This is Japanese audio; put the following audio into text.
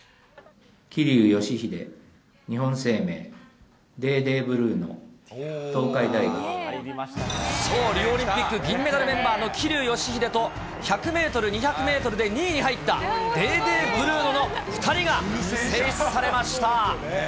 桐生祥秀、日本生命、そう、リオオリンピック銀メダルメンバーの桐生祥秀と、１００メートル、２００メートルで２位に入った、デーデー・ブルーノの２人が選出されました。